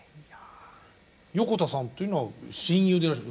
横田さんというのは親友でいらっしゃる？